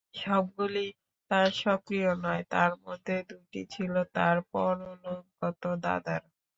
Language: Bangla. সবগুলি তাঁর স্বকীয়া নয়, তাঁর মধ্যে দুটি ছিল তাঁর পরলোকগত দাদার।